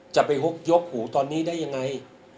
จะไปยกหูตอนนี้ได้ยังไง